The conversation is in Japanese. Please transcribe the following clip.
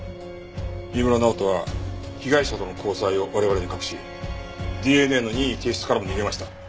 飯村直人は被害者との交際を我々に隠しＤＮＡの任意提出からも逃げました。